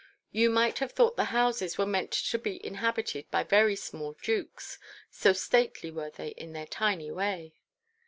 You might have thought the houses were meant to be inhabited by very small Dukes, so stately were they in their tiny way.